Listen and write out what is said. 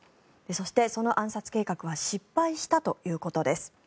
そして、その暗殺計画は失敗したということです。